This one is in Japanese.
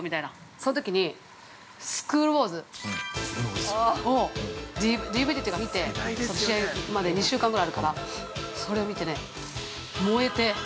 そのときに「スクール☆ウォーズ」を見て試合まで２週間ぐらいあるからそれを見てね、燃えて。